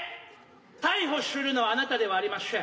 逮捕しゅるのはあなたではありましぇん。